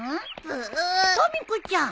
・とみ子ちゃん。